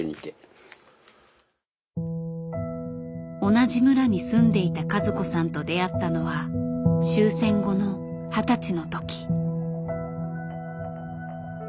同じ村に住んでいた和子さんと出会ったのは終戦後の二十歳の時。